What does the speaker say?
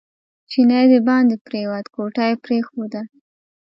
چینی دباندې پرېوت کوټه یې پرېښوده.